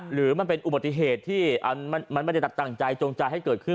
หรือมันเป็นอุบัติเหตุที่มันไม่ได้ตัดตั้งใจจงใจให้เกิดขึ้น